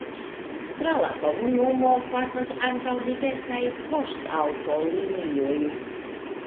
Tra la komunumo pasas ankaŭ diversaj poŝtaŭtolinioj.